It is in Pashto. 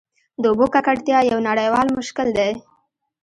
د اوبو ککړتیا یو نړیوال مشکل دی.